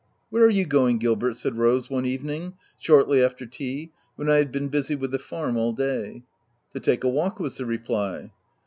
" Where are you going Gilbert ?" said Rose , one evening, shortly after tea, when I had been busy with the farm all day. "To take a walk/' was the reply.